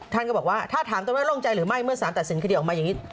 ท่านก็บอกว่าถ้าถามตนว่าโล่งใจหรือไม่เมื่อสารตัดสินคดีออกมาอย่างนี้